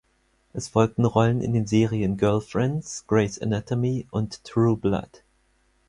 Es folgten Rollen in den Serien "Girlfriends", "Grey’s Anatomy" und "True Blood".